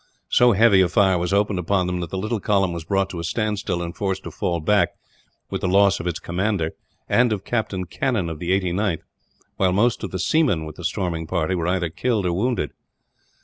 So heavy a fire was opened upon them that the little column was brought to a standstill, and forced to fall back; with the loss of its commander, and of Captain Cannon of the 89th, while most of the seamen with the storming party were either killed or wounded.